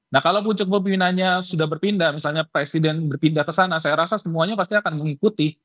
nah kalau pucuk pemimpinannya sudah berpindah misalnya presiden berpindah ke sana saya rasa semuanya pasti akan mengikuti